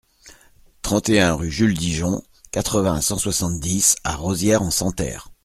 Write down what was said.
trente et un rue Jules Digeon, quatre-vingts, cent soixante-dix à Rosières-en-Santerre